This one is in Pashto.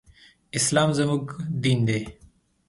اسلام زموږ دين دی.